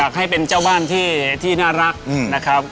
ให้เป็นเจ้าบ้านที่น่ารักนะครับ